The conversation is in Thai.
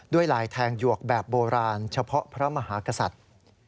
ลายแทงหยวกแบบโบราณเฉพาะพระมหากษัตริย์